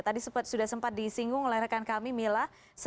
tadi sudah sempat disinggung oleh rekan kami mila